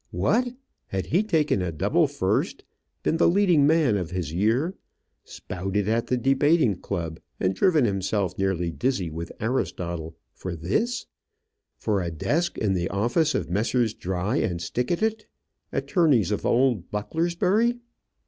What! had he taken a double first, been the leading man of his year, spouted at the debating club, and driven himself nearly dizzy with Aristotle for this for a desk in the office of Messrs. Dry and Stickatit, attorneys of old Bucklersbury!